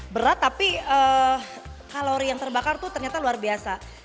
berat tapi kalori yang terbakar itu ternyata luar biasa